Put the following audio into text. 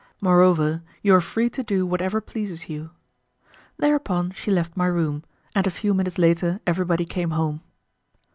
Moreover, you are free to do whatever pleases you." Thereupon she left my room, and a few minutes later everybody came home.